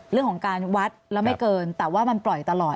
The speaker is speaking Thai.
เรื่องของการวัดแล้วไม่เกินแต่ว่ามันปล่อยตลอด